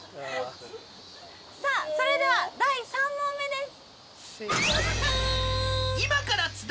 それでは第３問目です。